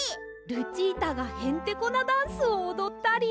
ルチータがへんてこなダンスをおどったり！